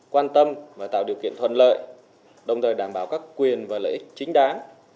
quan tâm và tạo điều kiện thuận lợi đồng thời đảm bảo các quyền và lợi ích chính đáng